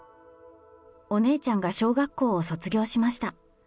お姉ちゃんが小学校を卒業しました。